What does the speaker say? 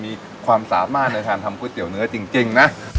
มีความสามารถในการทำก๋วยเตี๋ยวเนื้อจริงนะ